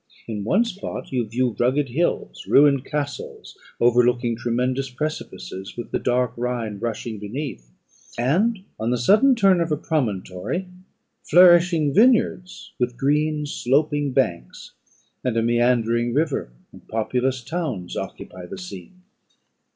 In one spot you view rugged hills, ruined castles overlooking tremendous precipices, with the dark Rhine rushing beneath; and, on the sudden turn of a promontory, flourishing vineyards, with green sloping banks, and a meandering river, and populous towns occupy the scene.